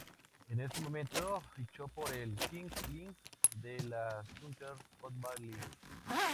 En ese momento, fichó por el King's Lynn, de la Southern Football League.